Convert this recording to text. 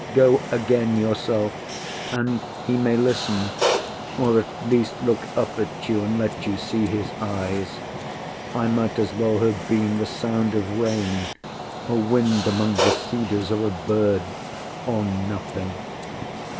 Go again Yourself, and he may listen or at least Look up at you, and let you see his eyes. I might as well have been the sound of rain, A wind among the cedars, or a bird; Or nothing.